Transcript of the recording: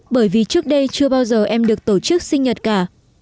bởi vì trước đây chưa bao giờ em được tổ chức sinh nhật cả